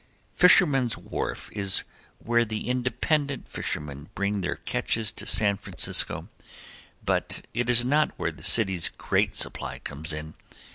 Fishermen's Wharf is where the independent fishermen bring their catches to San Francisco, but it is not where the city's great supply comes in.